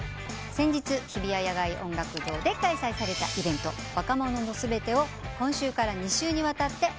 先日日比谷野外大音楽堂で開催されたイベント若者のすべてを今週から２週にわたってお届けします。